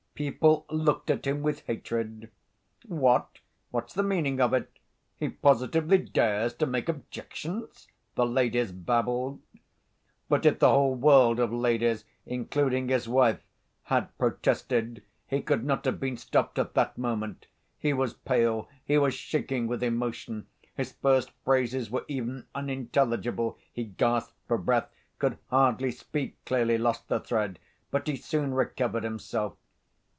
People looked at him with hatred. "What? What's the meaning of it? He positively dares to make objections," the ladies babbled. But if the whole world of ladies, including his wife, had protested he could not have been stopped at that moment. He was pale, he was shaking with emotion, his first phrases were even unintelligible, he gasped for breath, could hardly speak clearly, lost the thread. But he soon recovered himself.